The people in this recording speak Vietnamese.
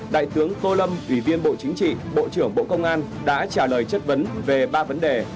đại tướng tô lâm ủy viên bộ chính trị bộ trưởng bộ công an đã trả lời chất vấn về ba vấn đề